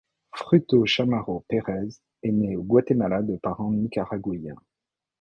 Fruto Chamorro Pérez est né au Guatemala de parents nicaraguyens.